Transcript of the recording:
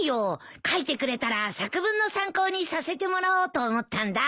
書いてくれたら作文の参考にさせてもらおうと思ったんだ。